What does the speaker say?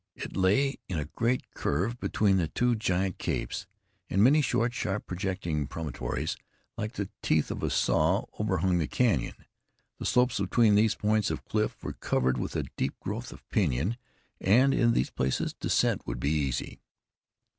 It lay in a great curve between the two giant capes; and many short, sharp, projecting promontories, like the teeth of a saw, overhung the canyon. The slopes between these points of cliff were covered with a deep growth of pinyon, and in these places descent would be easy.